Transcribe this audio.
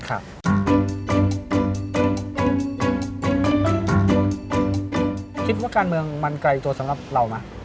คิดว่าการเมืองมันไกลตัวสำหรับเราไหม